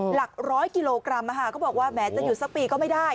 หลักร้อยกิโลกรัมเขาบอกว่าแม้จะหยุดสักปีก็ไม่ได้